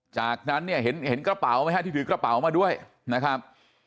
จากนั้นเนี่ยเห็นกระเป๋าไหมฮะที่ถือกระเป๋ามาด้วยนะครับ